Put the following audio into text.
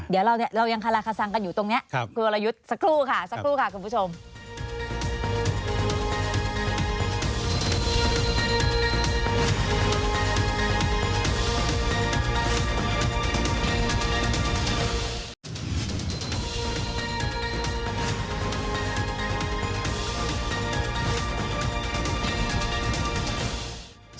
เดี๋ยวเรายังคาราคาซังกันอยู่ตรงนี้